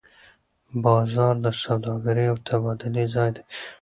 بازار د سوداګرۍ او تبادلې ځای دی.